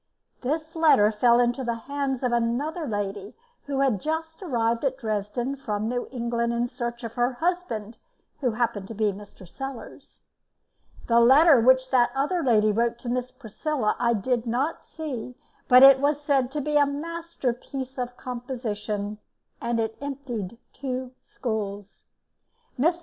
This letter fell into the hands of another lady who had just arrived at Dresden from New England in search of her husband, who happened to be Mr. Sellars. The letter which that other lady wrote to Miss Priscilla I did not see, but it was said to be a masterpiece of composition, and it emptied two schools. Mr.